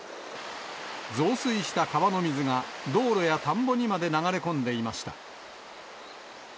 増水した川の水が道路や田んぼにまで流れ込んでいました。